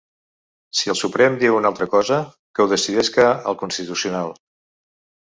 Si el Suprem diu una altra cosa, que ho decidesca el Constitucional.